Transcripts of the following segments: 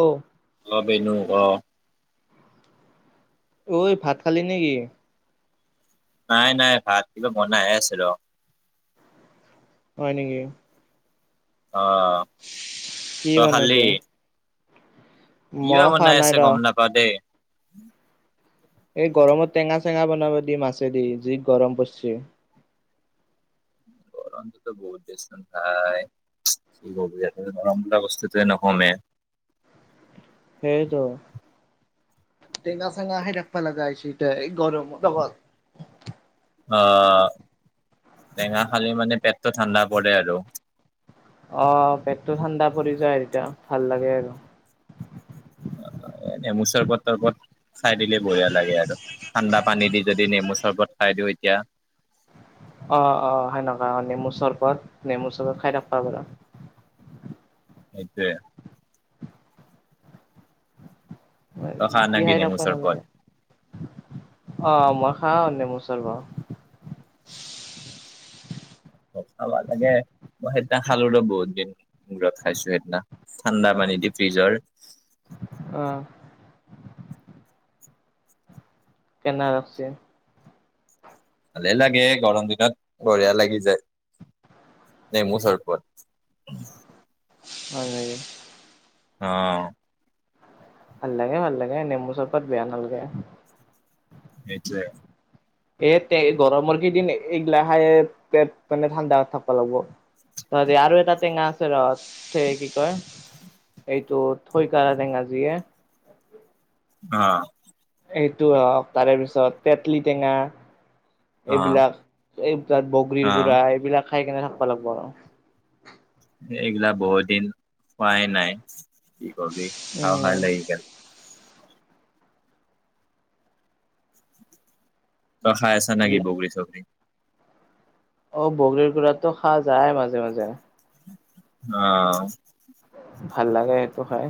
অ'। অ, বনো অ'। ঐ ভাত খালি নেকি। নাই, নাই ভাত কিবা বনাইহে আছি ৰহ। হয় নেকি। অ'। কি তই খালি বনাইছো? কিবা বনাই নাই আছে ৰ গম নাপাও দেই। এই গৰমত টেঙা-চেঙা বনাব দি মাছেদি যি গৰম পছে। গৰমটো বহুত বছঠাই কি গৰম বলা অৱস্থাটো এ নকমে। সেইতোয়েই তেঙা চেঙা খাই ঠাকিব লগা হৈছে এতিয়া এই গৰমৰ লগত। অ, টেঙা খালি মানে পেটটো ঠাণ্ডা পৰে আৰু। অ', পেটটো ঠাণ্ডা পৰি যায়, এতিয়া ভাল লাগে আৰু। অ', নেমু ছপৰ্ত তপত চাই দিলে বঢ়িয়া লাগে আৰু, ঠাণ্ডা পানী দি যদি নেমু চৰ্বত খাই দিওঁ এতিয়া। অ', অ', সেনেকুৱা নেমু চৰ্বত নেমু ছপৰ্ত খাই থাকিবা বাৰু। সেইতোয়ে, তই খা না জুতি কি খাই থাকব নেমু চৰবত আপনালোকে, অ', মই খাওঁ নেমু চৰবত। খাবা লাগে, মই সেইদিনা খালো ৰ বহুত দিন। মূৰত খাইছোঁ সেইদিনা ঠাণ্ডা মানে দি ফ্ৰিজৰ অ' কেনে লাগছে। ভালেই লাগে গৰম দিনত, বঢ়িয়া লাগি যায়। নেমু চৰবত। হয় হয়। অ' ভাল লাগে, ভাল লাগে, নেমু চৰবত বেয়া নালগে। এইটোৱে। এট টেৰি গৰমৰ কেইদিন এইগিলা খাই পেট মানে ঠাণ্ডাত থাকিব লাগব। ত আৰু এটা টেঙা আছে ৰ, স কি কয় এইটো থৈ কাৰা টেঙা জিয়ে অ' সেইটো হওক, তাৰে পিছত তেতলি টেঙা অ এইবিলাক এই তাত বগৰীৰ অ গুড়া, এইবিলাক খাই কেনে থাকিব লাগিব। এইবিলাক বহুত দিন খোৱাই নাই কি ক'ৰবি হ উম। হাল লাগি গ'ল। তই খাই আছা নেকি বগৰী চগৰী। অ', বগৰীৰ গুড়াতো খোৱা যায় মাজে মাজে। অ' ভাল লাগে, সেইটো হয়।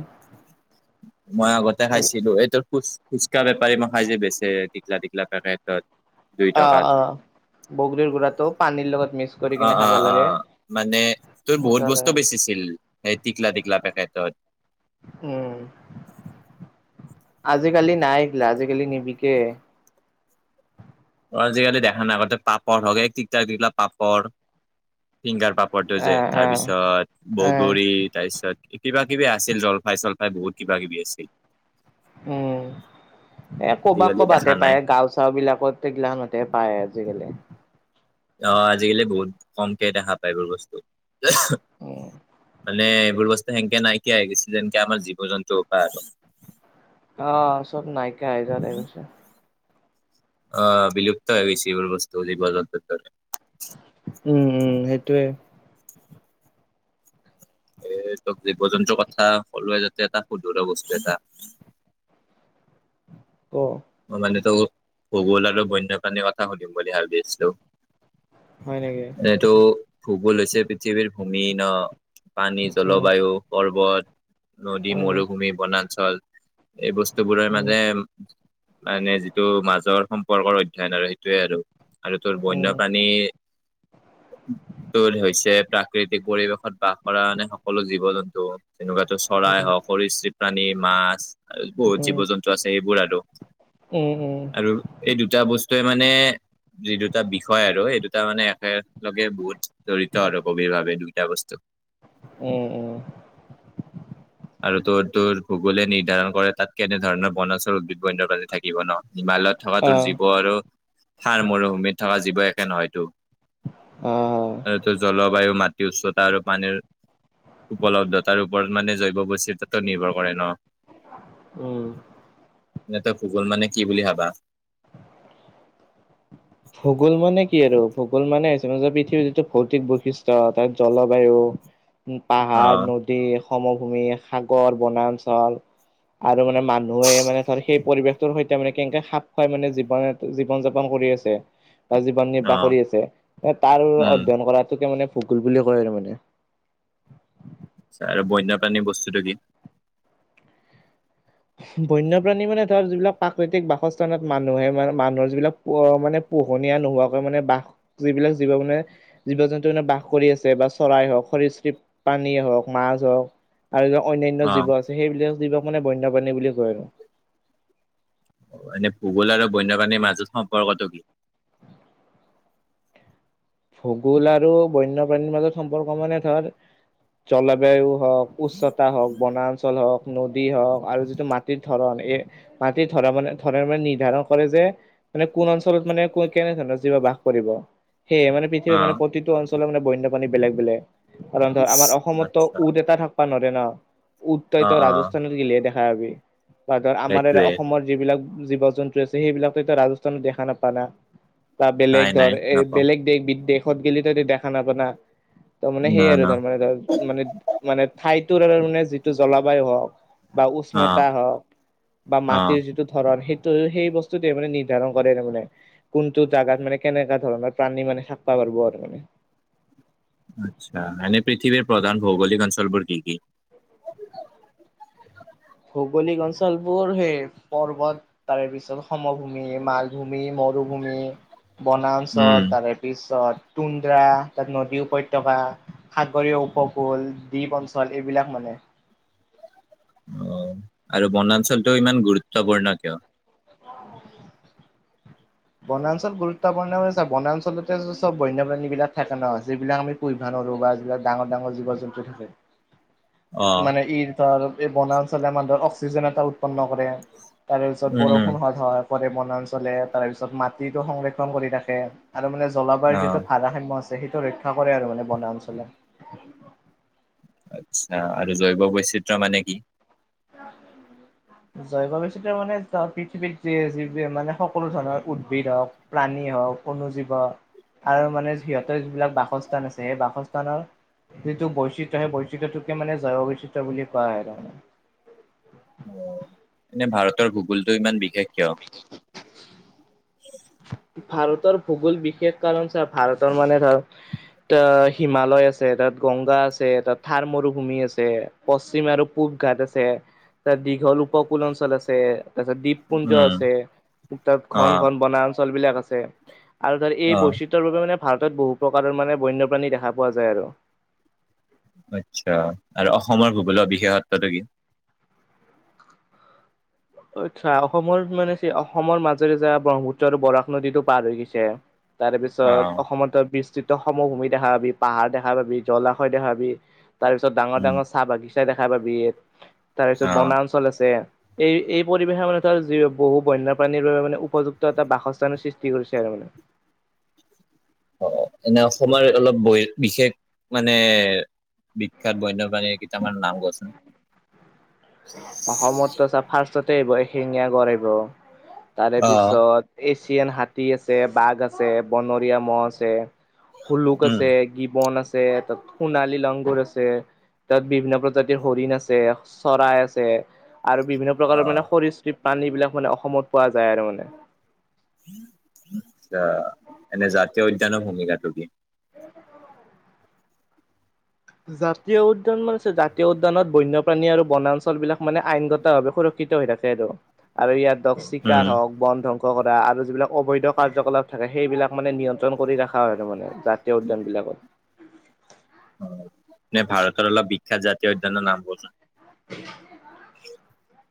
মই আগতে খাইছিলো, এইটোৰ খুজ ফুচকা বেপাৰী মখাই যে বেচে টিকলা টিকলা পেকেতত অ' অ' বগৰীৰ গুড়াটো পানীৰ লগত মিক্স কৰি অ কিনে অ খাবা অ লাগে, মানে মজা লাগে। এই টিকলা টিকলা পেকেটত উম্ আজিকালি নাই এই গিলা আজিকালি নিবিকে। আজিকালি দেখা নাপাওতে পাপৰ হওঁক এক টিকলা টিকলা পাপৰ, ফিংগাৰ পাপৰ ফটো যে, আহ আহ তাৰপিছত আহ বগৰী, তাৰপিছত কিবা কিবি আছিল জলফাই চলফাই বহুত কিবা কিবি আছিল। উম্, এ ক'বাত আজিকালি দেখা ক'বাতহে নাই পায়, গাঁও গাঁও বিলাকত এই গিলাখনত হে পায় আজিকালি। অ', আজিকালি বহুত কমকে দেখা পায়, এই বোৰ বস্তু। উম মানে এইবোৰ বস্তু সেনেকে নাইকিয়া হৈ গৈছে, যেনকে আমাৰ জীৱ জন্তুৰ পৰা আৰু, অ', চব নাইকিয়া হৈ যোৱা গৈছে। অ', বিলুপ্ত হৈ গৈছে, এইবোৰ বস্তু, জীৱ জন্তুবোৰ। উম্, উম্ সেইটোয়ে। এ তোক জীৱ জন্তুৰ কথা, ক'লোৱে যেতিয়া এটা সোধো ৰ বস্তু এটা। ক' মানে তো ভূগোল আৰু বন্য প্ৰাণীৰ কথা সুধিম বুলি ভাবি আছিলোঁ। হয় নেকি এইটো ভূগোল হৈছে পৃথিৱীৰ ভূমি ন। পানী, উম জলবায়ু, পৰ্বত নদী উম মৰুভূমি বনাঞ্চল এই বস্তুবোৰে উম মানে- মানে যিটো মাজৰ সম্পৰ্কৰ অধ্যয়ন আৰু সেইটোয়ে আৰু, আৰু তোৰ উম বন্যপ্ৰাণী [unintelligible] ত' হৈছে প্ৰাকৃতিক পৰিৱেশত বাস কৰা মানে সকলো জীৱ-জন্তু তেনেকুৱাতো উম চৰাই হওঁক সৰীসৃপ প্ৰাণী মাছ বহুত উম জীৱ-জন্তু আছে এইবোৰ আৰু উম, উম আৰু এই দুটা বস্তুৱে মানে যি দুটা বিষয় আৰু সেই দুটা মানে একেলগে বহুত জৰি়ত আৰু গভিৰ ভাৱে দুইটা বস্তু। উম, উম। আৰু তোৰ, তোৰ গগোলে নিৰ্ধাৰণ কৰে তাত কেনেধৰণৰ বনাছৰ উদ্ বণ্য প্ৰানী থাকিব ন হিমালয়ত থকা তোৰ আহ জীৱ আৰু সাৰ মৰুভূমিত থকা জীৱ একে নহয়তো। অ'। এইটো জলবায়ু মাটি উচ্চতা আৰু পানীৰ উপলব্ধ তাৰ ওপৰত মানে জৈৱ বস্থিততাতটো নিৰ্ভৰ কৰে ন। উম। এনে তই ভূগোল মানে কি বুলি ভাবা। ভূগোল মানে কি আৰু ভূগোল মানে জৈবিক নপৃথিৱীৰ যিটো ভৌতিক বৈশিষ্ট্য তাত জলবায়ু উ, অ পাহাৰ নদী সমভূমি সাগৰ বনাঞ্চল। আৰু মানে মানুহে মানে ধৰ সেই পৰিৱেশটোৰ সৈতে মানে কেনেকে খাপ খুৱাই মানে জীৱন, জীৱন যাপন কৰি আছে। জীৱন অ নিৰ্বাহ কৰি আছে তাৰ উম অধ্যয়ন কৰাটোকে মানে ভূগোল বুলি কয় আৰু মানে। আৰু বন্যপাণীৰ বস্তুতটো কি? বন্যপ্ৰাণী মানে তাৰ যিবিলাক প্ৰাকৃতিক বাসস্থানত মানুহে মান মানুহৰ যিবিলাক মানে পোহনীয়া নোহোৱাকৈ মানে বাঘ যিবিলাক যিবোৰ মানে জীৱ-জন্তু এনে বাস কৰি আছে বা চৰাই হওক খৰি চিপ পানীয়ে হওক মাছ হওক। আৰুা অন্যান্য অ জীৱ আছে সেইবিলাক যিবাক মানে বন্য প্ৰাণী বুলি কয় আৰু এনে ভূগোল আৰু বন্যপ্ৰাণীৰ মাজত সম্পৰ্কটো কি? ভূগোল আৰু বন্যপ্ৰাণীৰ মাজত সম্পৰ্ক মানে ধৰ জলবায়ু হওক উচ্চতা হওক, বনাঞ্চল হওক নদী হওক আৰু যিটো মাটিৰ ধৰণ এই মাটিৰ ধৰা মানে ধৰণ মানে নিৰ্ধাৰণ কৰে যে মানে কোন অঞ্চলত মানে কেনে ধৰণৰ জীৱ বাস কৰিব। সেয়ে মানে অ পথিৱী মান প্ৰতিটো অঞ্চল মানে বন্যাী বেলেগ, বেলেগ। কাৰণ ধৰ আমাৰ অসমতো আচ্ছা উট এটা থাকিবা নৰে ন, উদ অ ততো অ ৰাজস্থানত গিলিয়ে দেখা হাবি বা ধৰ আমাৰ এ, সেইটোৱে অসমৰ যিবিলাক জীৱ-জন্তু আছে সেইবিলাকো এয়া ৰাজস্থানত দেখা নাপা না তাত বেলেগ নাই ধৰ নাই এই নাপাওঁ এই বিদদেশত গলে তই এতিয়া দেখা নাপানা ত' মানে না সেই আৰু না তাৰ মানে ধ মানে, মানে ঠাইটো আৰু মানে যিটো জলবায়ু হওক বা অ উষ্ণতা হওক বা অ মাটিৰ যিটো ধৰণ সেইটো, সেই বস্তুটোৱে মানে নিৰ্ধাৰণ কৰে তাৰানে কোনটো জাগাত মানে কেনেকুৱা ধৰণৰ প্ৰাণী মানে থাকিবা পাৰিব আৰু মানে আচ্ছা এনে পৃথিৱীৰ প্ৰধান ভৌগোলিক অঞ্চলবোৰ কি, কি? ভৌগলিক অঞ্চলপুৰ সেই পৰ্বত তাৰে পিছত সমভূমি, মালভূমি, মৰুভূমি বনাঞ্চল উম। তাৰে পিছত তুন্দ্ৰা তাত নদী উপত্যকা্ সাগৰীয় উপকূল দ্বীপ অঞ্চল এইবিলাক মানে অ, আৰু বনাঞ্চলটো ইমান গুৰুত্বপূৰ্ণ কিয়? অ'। বনাঞ্চল গুৰুত্বপূৰ্ণ বুলিছে, বনাঞ্চলতে চব বন্যপ্ৰাণী বিলাক থাকে ন যিবিলাক আমি কুইভানৰু বা যিবিলাক ডাঙৰ, ডাঙৰ জীৱ-জন্তু থাকে। অ'। মানে ই, ধৰ এই বনাঞ্চলে আমাৰ ধৰ অক্সিজেন এটা উৎপন্ন কৰে তাৰ উম, উম, বৰষুণ হোৱাত সহায় কৰে বনাঞ্চলে তাৰেপিছত মাটিতটো সংৰক্ষণ কৰি থাকে। আৰু মানে জলবায়ুৰ অ', যিটো ভাৰাসাম্য আছে সেইটো ৰক্ষা কৰে আৰু মানে বনা অঞ্চলে। আচ্ছা আৰু জৈৱ বৈচিত্ৰ মানে কি? অ' জৈৱ বৈচিত্ৰ্য মানে পৃথিৱীত যে যিটোৱে মানে সকলো ধৰণৰ উদ্ভিদ হওক। প্ৰাণী হওক কো জীৱ আৰু মানে সিহঁতৰ যিবিলাক বাসস্থান আছে সেই বাসস্থানৰ যিটো বৈচিত্ৰয় সেই বৈচিত্ৰটোকে মানে জয় বৈচিত্ৰ বুলি কোৱা হয় তাৰানে এনে ভাৰতৰ ভূগোলটো ইমান বিশেষ কিয় [inaudible] ভাৰতৰ ভূগোল বিশেষ কাৰণ ছাৰ ভাৰতৰ মানে ধৰ এ হিমালয় আছে তাত গংগা আছে তাত থাৰ মৰুভূমি আছে পশ্চিম আৰু পূব ঘাট আছে তাৰ দীঘল উপকুল অঞ্চল আছে তাৰপিছত দপ পুঞ্জ উম। আছে তাত ঘন অ', -ঘন -বনাঞ্চল বিলাক আছে আৰু ধৰ এই অ', বৈচ বাবে মানে ভাৰত বহু প্ৰকাৰৰ মানে বন্যপ্ৰাণী দেখা পোৱা যায় আৰু আচ্ছা আৰু অসমৰ ভূগোল বিশেষত্বটো কি আচ্ছা অসমৰ মানে অসমৰ মাজেৰে যা ব্ৰহ্মপুত্ৰ আৰু বৰাক নদীতটো পাৰ হৈ গৈছে তাৰ পিছত অ', অসমত বিশ সমভূমি দেখা পাবি পাহাৰ দেখা পাবি জলাশয় দেখাাবি তাৰ পিছত ডাঙৰ উম, -ডাঙৰ- চাহ বাগিছা দেখা পাবি তাৰপিছত অ', বনাঞ্চল আছে এই এই পৰিৱেশে মানে ধৰ বহু বন্যপ্ৰাণীৰ বাবে মানে উপযুক্ত এটা বাসস্থানৰ সৃষ্টি কৰিছে আৰু মানে অ এনে অসমৰ অলপ বিশেষ মানে বিখ্যাত বন্যপাণীৰ কেইটামান নাম কচোন অসমত চ ফাৰ্ষ্টতে আহিব এশিঙীয়া গড় আহব তাৰে অ', পিছত এছিয়ান হাতী আছে বাঘ আছে বনৰীয়া মহ' আছে হুলুক উম। আছে গিবন আছে তাত সোণালী লংগুৰ আছে তাত বিভিন্ন প্ৰজাতিৰ হৰিণ আছে চৰাই আছে আৰু বিভিন্ন প্ৰকাৰৰ মানে অ', খৰ চ প্ৰাণী বিলাক মানে অসমত পোৱা যায় আৰু মানে এনে জাতীয় উদ্যানৰ ভূমিকা তুটি জাতীয় উদ্যান মানে জাতীয় উদ্যানত বন্যপ্ৰাণী আৰু বনাঞ্চল বিলাক মানে আইনগতাে সুৰক্ষা কৃত হৈ থাকে আৰুটো আৰু ইয়াত চিকা উম হওক বন ধ্বংস কৰা আৰু যিবিলাক অবৈধ কাৰ্যকলাপ থাকে সেইবিলাক মানে নিয়ন্ত্ৰণ কৰি ৰখা হয় মানে যাক তেওঁ উদ্যানবিলাকত অ নে ভাৰতৰ অল বিখ্যাত জাতীয় উদ্্যান ন নাম ব'চ [inaudible] [inaudible]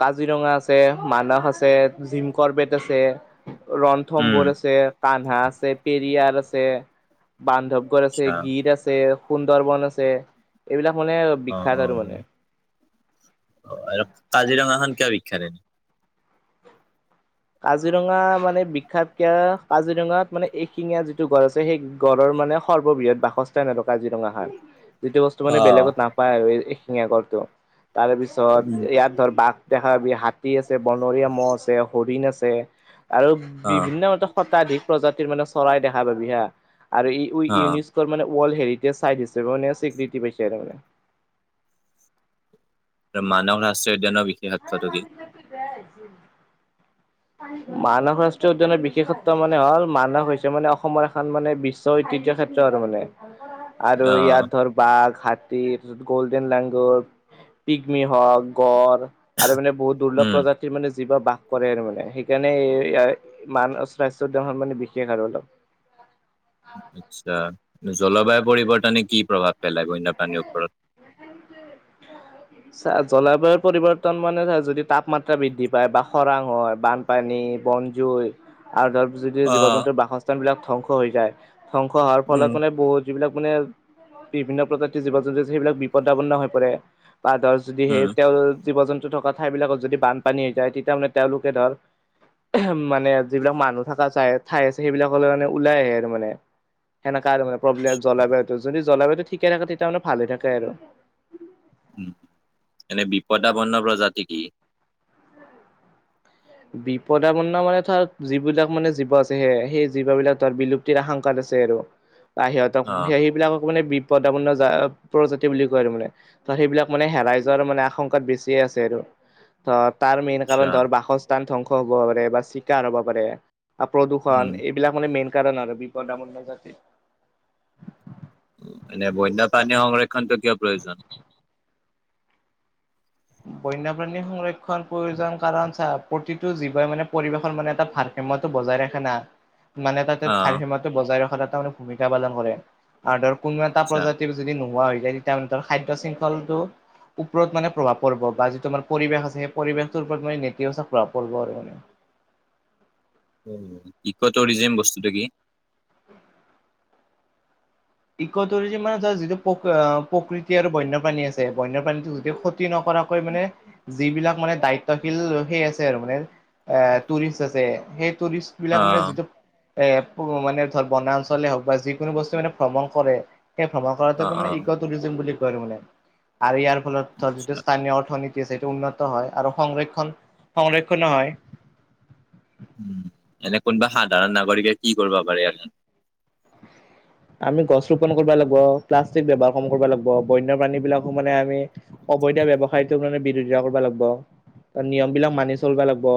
কাজিৰঙা আছে- মানস আছে- জিমকৰ্বেেত আছে- উম ৰন্থমবোৰ আছে কানহা আছে পেৰিয়াৰ আছে বান্ধৱ আছে আচ্ছা গীত আছে- সুন্দৰ বন আছে -এইবিলাক মানে অ অ বিখ্য্াত আৰু মানে অ আৰু কাজিৰঙাখন কিয় বিখ্যাত এনে কাজিৰঙা মানে বিখ্যাত কিয় কাজিৰঙাত মানে এশিঙীয়া যিটো গছ আছে সেই গড়ৰ মানে সৰ্ববৃহৎ বাসস্থা এনেকুৱা কাজিৰঙা হয় যিটো বস্তু মানে অ বেলেগত নাপায় এশিঙ আগৰটো তাৰপিছত উম ইয়াত ধৰ বাঘ দেখাাবি হাতী আছে বনৰীয়া মহ' আছে হৰিণ আছে আৰু অ বিভিন্ন শতাধিক প্ৰজাতিৰ মানে চৰাই দেখা পাব হা আৰু ই- উ- অ ইউনি ানে ৱৰ্ল্ড হেৰিটেজ চাইট হিাপে মে স্বীকৃতি পাইছে ত মে আৰু মানৱ ৰাষ্ট্ৰীয় উদ্যানৰ বিশেষত্বটো কি বজ মানস ৰাষ্ট্ৰীয় উদ্যানৰ বিশেষত্ব মানে হ'ল মানস হৈছে মানে অসমৰ এখন মানে বিশ্ব ঐতিহ্য ক্ষেত্ৰ আৰু মানে আৰু অ ইয়াত ধৰ বাঘ হাতীৰ তাৰপত গ'ল্ডেন লাংগ পিকমি হওক গড় আৰু মানে বহুত দুৰ্লভ উম প্ৰজা তিৰ মানে যিবা বাস কৰে আৰু মানে সেইকাৰণে ইয়াৰ মান স্বাস্থ্যৰ মানে বিশেষ আৰু অলপ আচ্ছা। জলবায়ু পৰিৱৰ্তনে কি প্ৰভাৱ পেলাই বন্য প্ৰানীৰ ওপৰত চা জলবায়ুৰ পৰিৱৰ্তন মানে চা যদি তাপমাত্ৰা বৃদ্ধি পায় বা খৰাং হয় বা পানী বনজুই আৰু তাৰপিছত যদি অ জীৱ জন্তুৰ বাসস্থান বিলাক ধ্বংস হৈ যায় ধ্বংস হোৱাৰ ফলত উম মানে বহুত যিবিলাক মানে বিভিন্ন প্ৰজাতিৰ জীৱ জন্তু আছে সেইবিলাক বিপদাপন্ন হৈ পৰে বা ধ যদি উম সেই তেওঁ জীৱ জন্তু থকা ঠাই বিলাকত যদি বানপানী হৈ যায় তেতিয়া মানে তেওঁলোকে ধৰ অহম মানে যিবিলাক মানুহ থকা চাই ঠাই আছে সেইবিলাকলৈ মানে ওলাই আহে আৰু মানে সেনেকা আৰু মানে প্ৰব্লেম জলবায়ুটো যদি জলবায়ু ঠিকে থাকে তেতিয়া মানে ভালে থাকে আৰু হম। এনে বিপদাপন্ন প্ৰজাতি কি? বিপদাপন্ন মানে ধৰ যিবিলাক মানে জীৱ আছে সে সেই জীৱ বিলাক ধৰ বিলুপ্তিৰ আশংকাত আছে আৰু বা সিহঁতক অ স সেইবিলাকক মানে বিপদাপন্ন জা আ প্ৰজাতি বুলি কয় আৰু মানে ত সেইবিলাক মানে হেৰাই যোৱাৰ মানে আশংকাত বেছিয়ে আছে আৰু ধৰ তাৰ মেইন আচ্ছা কাৰণ ধৰ বাসস্থান ধ্বংস হ'ব পাৰে বা চিকাৰ হ'ব পাৰে উম প্ৰদূষণ এইবিলাক মানে মেইন কাৰণ আৰু বিপদপন্ন জাতিৰ এনে বন্য পাানী সংৰক্ষণটো কিয় প্ৰয়োজন? বন্যপ্ৰাণী সংৰক্ষণ প্ৰয়োজন কাৰণ চা প্ৰতিটো জীৱ মানে পৰিবেশৰ মানে এটা ভাৰ সইো [unintelligible] বজাই ৰাখা না। মানে তাতে অ ভাৰ সীমাটো বজাই ৰখাত এটা মানে ভূমিকা পালন কৰে আৰু ধৰ কোনো এটা আচ্ছা প্ৰজাতিৰ। যদি নোহোৱা হৈ যায় তেতিয়াৰ মানে তাৰ খাদ্য শৃংখলটো ওপৰত মানে প্ৰভাৱ পৰব বা যিটো আমাৰ পৰিৱেশ আছে, সেই পৰিৱেশটোৰ ওপৰত মানে নেতিবাচক প্ৰভাৱ পৰব আৰু মানে। ইক' টুৰিজম বস্তুটো কি? ইক' টুৰিজম মানে ধৰ যিটো প্ৰ প্ৰকৃতি আৰু বন্যপাণী আছে, বন্যপাণীটো যদি ক্ষ তি নকৰাকৈ মানে যিবিলাক মানে দায়িত্বশীল সেই আছে আৰু মানে। এ টুৰিষ্ট আছে, সেই টুৰিষ্ট। বিলাক মানে, অ যিটো এ মানে ধৰ বনাঞ্চলে হওক বা যিকোনো বস্তু মানে ভ্ৰমণ কৰে। সেই ভ্ৰমণ অ', কৰাটোকে মানে অ', ইক' টুৰিজম বুলি কয় আৰু মানে আৰু ইয়াৰ ফলত ধৰ যিটো স্থানীয় অৰ্থনীতি তি আছে সেইটো উন্নত হয় আৰু সংৰক্ষণ, সংৰক্ষণো হয়। উম এনে কোনোবা সাধাৰণ নাগৰিকে কি কৰিবা পাৰে ইয়াত নো আমি গছ ৰোপন কৰবা লাগব, প্লাষ্টিক ব্যবহাৰ কম কৰব লাগব, বন্য প্ৰাণী বিলাকো মানে আমি অবৈধা ব্যবসায়টো মানে বিৰোধিতা কৰবা লাগব নিয়ম বিলাক মানি চলবা লাগব।